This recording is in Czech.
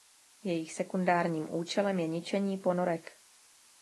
Jejich sekundárním účelem je ničení ponorek.